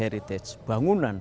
selain di situ ada tangible heritage